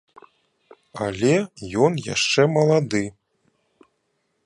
Але ён яшчэ малады.